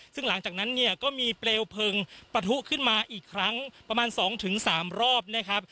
ซึ่งหลังจากนั้นเนี่ยก็มีเปลวเพลิงปะทุขึ้นมาอีกครั้งประมาณ๒๓รอบนะครับ